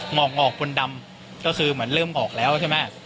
งอกคนดำก็คือเหมือนเริ่มงอกแล้วใช่ไหม